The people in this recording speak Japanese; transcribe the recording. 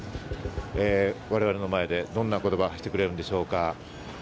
我々の前でどんな言葉を発してくれるんでしょうか。